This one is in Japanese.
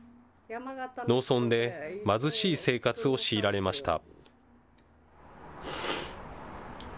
農村で貧しい生活を強いられました。